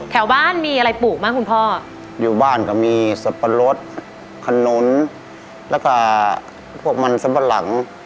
แถวบ้านมีอะไรปลูกไหมคุณพ่ออยู่บ้านก็มีสับปะรดขนุนแล้วก็พวกมันสัมปะหลัง